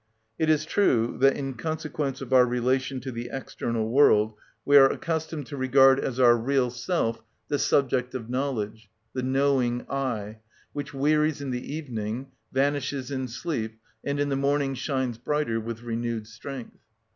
It is true that, in consequence of our relation to the external world, we are accustomed to regard as our real self the subject of knowledge, the knowing I, which wearies in the evening, vanishes in sleep, and in the morning shines brighter with renewed strength.